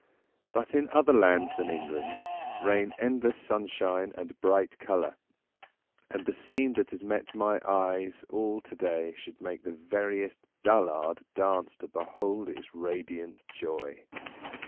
But in other lands than England reign endless sunshine and bright colour, and the scene that has met my eyes all to day should make the veriest dullard dance to behold its radiant joy.